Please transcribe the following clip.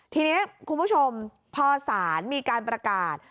ทีนี้คุณผู้ชมพอศาลมีการประกาศ